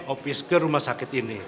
opis ke rumah sakit ini